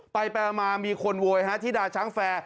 ไปมามีคนโวยธิดาช้างแฟร์